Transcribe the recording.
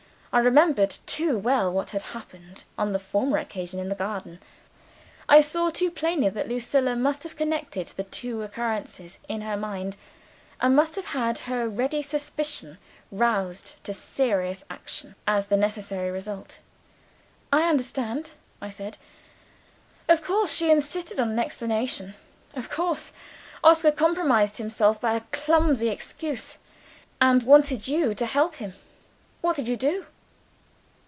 I remembered too well what had happened on the former occasion, in the garden. I saw too plainly that Lucilla must have connected the two occurrences in her mind, and must have had her ready suspicion roused to serious action, as the necessary result. "I understand," I said. "Of course, she insisted on an explanation. Of course, Oscar compromised himself by a clumsy excuse, and wanted you to help him. What did you do?"